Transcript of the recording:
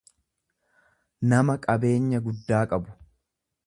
nama qabeenya guddaa qabu.